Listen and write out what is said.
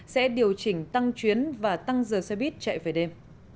sẽ điều chỉnh tăng chuyến và tăng giờ xe buýt chạy về đêm